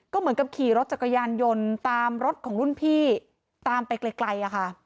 ก็เหมือนกับขี่รถจักรยานยนต์ตามรถของรุ่นพี่ตามไปไกลอะค่ะ